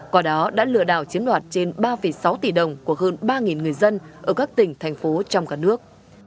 còn đó đã lừa đảo chiếm đoạt trên ba sáu tỷ đồng của hơn ba người dân ở các tỉnh thành phố trong cả nước